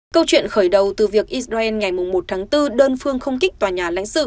câu chuyện khởi đầu từ việc israel ngày một tháng bốn đơn phương không kích tòa nhà lãnh sự